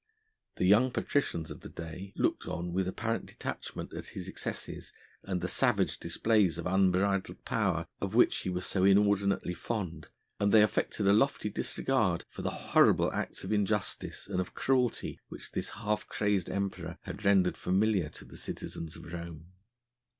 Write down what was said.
The young patricians of the day looked on with apparent detachment at his excesses and the savage displays of unbridled power of which he was so inordinately fond, and they affected a lofty disregard for the horrible acts of injustice and of cruelty which this half crazy Emperor had rendered familiar to the citizens of Rome.